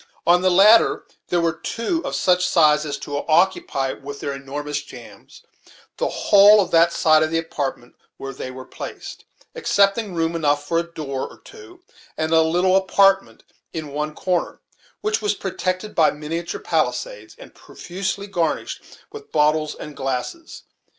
Of the latter there were two of such size as to occupy, with their enormous jambs, the whole of that side of the apartment where they were placed, excepting room enough for a door or two, and a little apartment in one corner, which was protected by miniature palisades, and profusely garnished with bottles and glasses.